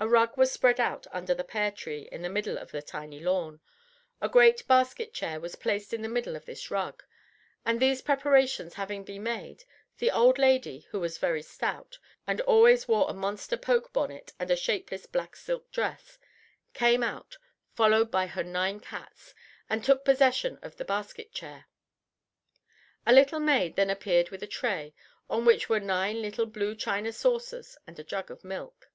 A rug was spread out under the pear tree in the middle of the tiny lawn, a great basket chair was placed in the middle of this rug, and, these preparations having been made, the old lady, who was very stout, and always wore a monster poke bonnet and a shapeless black silk dress, came out, followed by her nine cats, and took possession of the basket chair. A little maid then appeared with a tray, on which were nine little blue china saucers and a jug of milk.